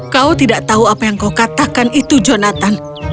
kau tidak tahu apa yang kau katakan itu jonathan